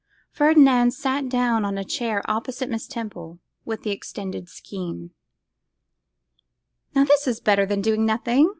Ferdinand sat down on a chair opposite Miss Temple, with the extended skein. 'Now this is better than doing nothing!